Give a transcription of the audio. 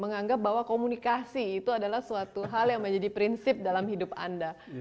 menganggap bahwa komunikasi itu adalah suatu hal yang menjadi prinsip dalam hidup anda